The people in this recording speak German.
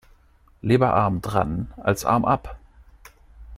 Lieber arm dran als Arm ab.